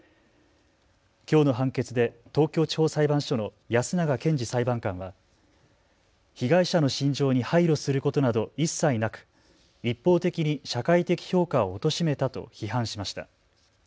きょうの判決で東京地方裁判所の安永健次裁判官は被害者の心情に配慮することなど一切なく一方的に社会的評価をおとしめたと批判しました。